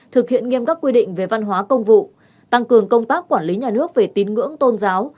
thực hiện nghiêm các quy định về văn hóa công vụ tăng cường công tác quản lý nhà nước về tín ngưỡng tôn giáo